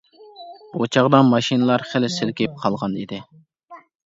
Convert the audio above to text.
بۇ چاغدا ماشىنىلار خېلى سېلىكىپ قالغانىدى.